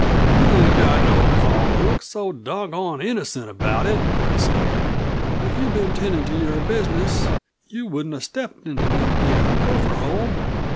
"You ain't got no call to look so doggoned innocent about it," he said. "If you'd been tendin' to your business, you wouldn't have stepped into no damned gopher hole."